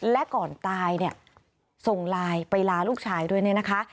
และก่อนตายเนี่ยส่งไลน์ไปลาลูกชายด้วยเนี่ยนะคะ